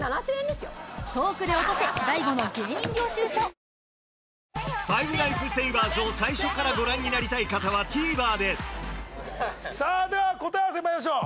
新「ＥＬＩＸＩＲ」『５ライフセイバーズ』を最初からご覧になりたい方はＴＶｅｒでさぁでは答え合わせにまいりましょう。